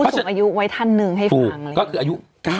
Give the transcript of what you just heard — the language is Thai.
สูงอายุไว้ท่านหนึ่งให้ฟังก็คืออายุ๙๐